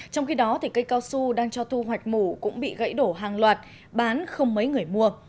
trong khi đó cây cao su đang cho thu hoạch mủ cũng bị gãy đổ hàng loạt bán không mấy người mua